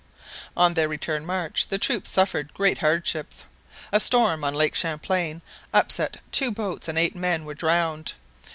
On their return march the troops suffered great hardships. A storm on Lake Champlain upset two boats and eight men were drowned.